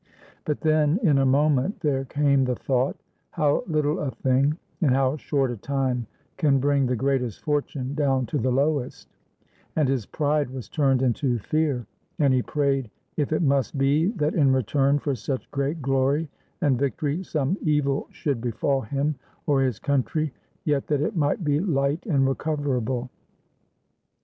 But then in a moment there came the thought, how Httle a thing and how short a time can bring the greatest fortune down to the lowest; and his pride was turned into fear, and he prayed, if it must be that in return for such great glory and victory, some evil should befall him or his country, yet that it might be hght and recoverable.